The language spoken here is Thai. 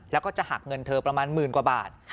แล้วก็จะหักเงินเธอประมาณหมื่นกว่าบาท